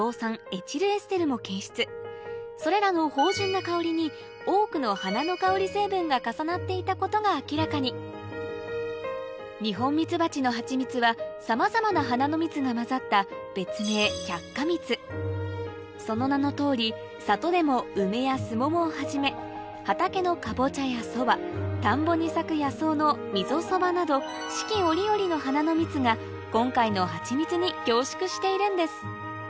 エチルエステルも検出それらの芳醇な香りに多くの花の香り成分が重なっていたことが明らかにニホンミツバチのハチミツはさまざまな花の蜜が混ざった別名その名の通り里でもウメやスモモをはじめ畑のカボチャやソバ田んぼに咲く野草のミゾソバなど四季折々の花の蜜が今回のハチミツに凝縮しているんです